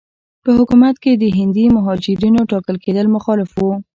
په حکومت کې د هندي مهاجرینو ټاکل کېدل مخالف وو.